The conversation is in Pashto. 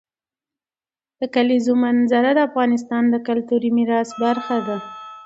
د کلیزو منظره د افغانستان د کلتوري میراث برخه ده.